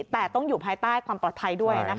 แต่ต้องอยู่ภายใต้ความปลอดภัยด้วยนะคะ